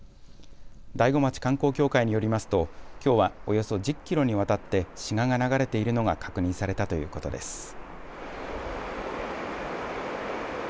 大子町観光協会によりますときょうはおよそ１０キロにわたってシガが流れているのが確認されたということです。